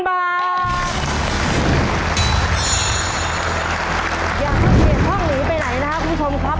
อย่าเข้าเกียรติห้องหนีไปไหนนะครับคุณผู้ชมครับ